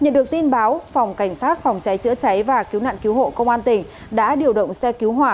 nhận được tin báo phòng cảnh sát phòng cháy chữa cháy và cứu nạn cứu hộ công an tỉnh đã điều động xe cứu hỏa